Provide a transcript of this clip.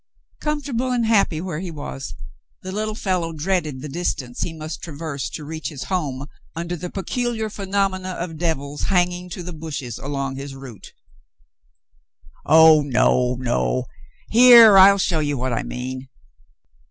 Comfortable and happy where he was, the little fellow dreaded the distance he must traverse to reach his home under the peculiar phenomena of devils hanging to the bushes along his route. *'0h, no, no. Here, I'll show you what I mean."